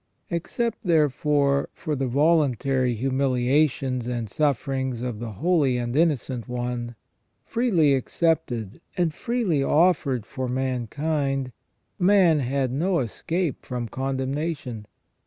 Except, therefore, for the voluntary humilia tions and sufferings of the Holy and Innocent One, freely accepted and freely offered for mankind, man had no escape from con demnation.